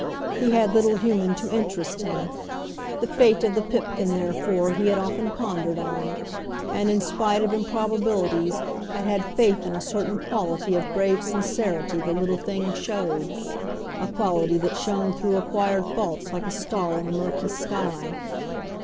He had little human to interest him. The fate of the Pipkin, therefore, he had often pondered on; and, in spite of improbabilities, had had faith in a certain quality of brave sincerity the little thing showed; a quality that shone through acquired faults like a star in a murky sky.